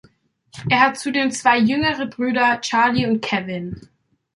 Er hat zudem zwei jüngere Brüder, Charlie und Kevin.